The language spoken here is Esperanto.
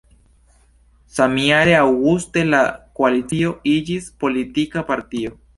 Samjare aŭguste la koalicio iĝis politika partio.